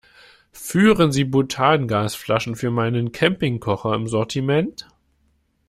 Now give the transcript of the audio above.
Führen Sie Butangasflaschen für meinen Campingkocher im Sortiment?